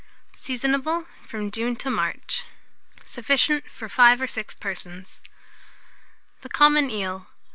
Seasonable from June to March. Sufficient for 5 or 6 persons. THE COMMON EEL.